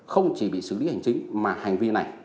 không chỉ bị xử lý hành chính mà hành vi này